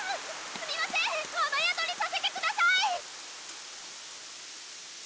すみません雨宿りさせてください！